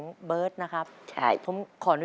ตัวเลือกที่สอง๘คน